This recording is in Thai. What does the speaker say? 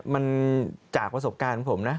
มันจากประสบการณ์ของผมนะ